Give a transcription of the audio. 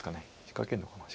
仕掛けるのかな。